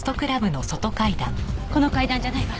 この階段じゃないわ。